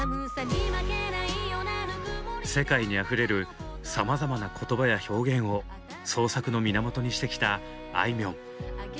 世界にあふれるさまざまな言葉や表現を創作の源にしてきたあいみょん。